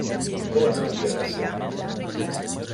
On hauria de ser?